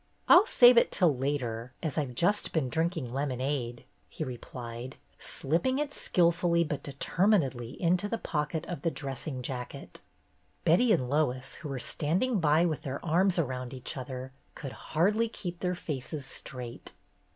I'll save it till later, as I've just been drinking lem onade," he replied, slipping it skilfully but determinedly into the pocket of the dressing jacket. Betty and Lois, who were standing by with their arms around each other, could hardly keep their faces straight.